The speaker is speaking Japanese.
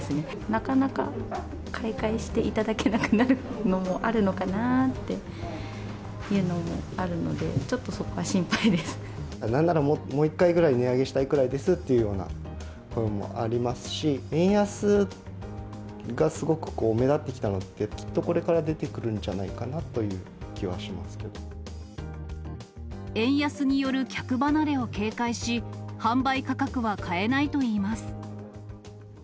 なかなか、買い替えしていただけなくなるのもあるのかなっていうのもあるのなんなら、もう一回くらい、値上げしたいくらいですっていうのもありますし、円安がすごく目立ってきたので、きっとこれから出てくるんじゃな円安による客離れを警戒し、販売価格は変えないといいます。